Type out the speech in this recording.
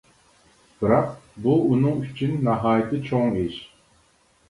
بىراق، بۇ ئۇنىڭ ئۈچۈن ناھايىتى چوڭ ئىش.